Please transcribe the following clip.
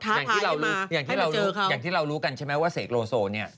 อย่างที่เรารู้กันใช่มั้ยว่าเซโกโรโซว์เนี่ย